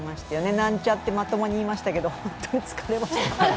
なんちゃって、まともに言いましたけどホントに疲れました。